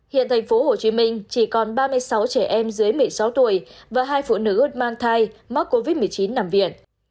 hiện tp hcm chỉ còn ba mươi sáu trẻ em dưới một mươi sáu tuổi và hai phụ nữ mang thai mắc covid một mươi chín nằm viện